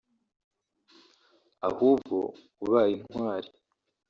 Ahubwo ubaye intwari